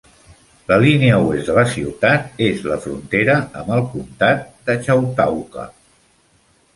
La línia oest de la ciutat és la frontera amb el comtat de Chautauqua.